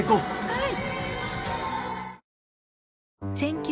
はい。